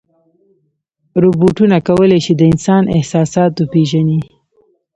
روبوټونه کولی شي د انسان احساسات وپېژني.